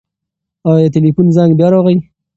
ایا د تلیفون زنګ بیا راغی؟